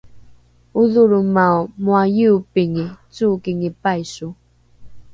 odholroomao moa iobingi cookingi paiso